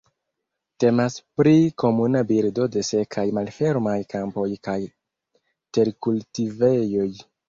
Temas pri komuna birdo de sekaj malfermaj kampoj kaj terkultivejoj.